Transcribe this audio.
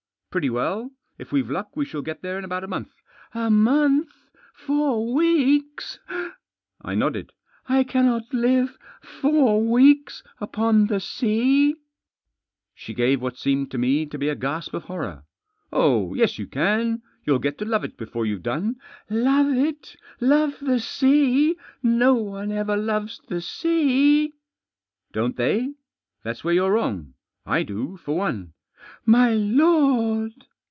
" Pretty well. If we've luck we shall get there in about a month." " A month ?— four weeks ?" I nodded. " I cannot live — four weeks — upon the sea !" She gave what seemed to me to be a gasp of horror. "Oh, yes, you can. You'll get to love it before you've done." " Love it ! Love the sea I No one ever loves the sea." " Don't they ? That's where you're wrong. I do, for one." "My lord!"